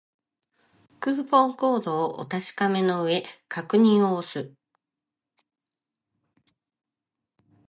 クーポンコードをお確かめの上、確認を押す